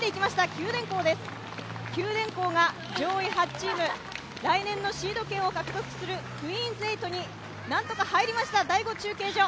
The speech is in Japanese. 九電工が上位８チーム、来年のシード権を獲得するクイーンズ８に何とか入りました、第５中継所。